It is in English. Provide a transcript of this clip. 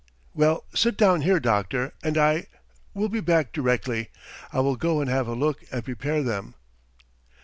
"Well, sit down here, doctor, and I ... will be back directly. I will go and have a look and prepare them."